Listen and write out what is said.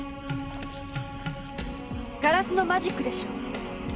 ガラスのマジックでしょ？